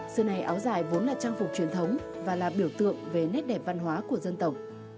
xưa nay áo dài vốn là trang phục truyền thống và là biểu tượng về nét đẹp văn hóa của dân tộc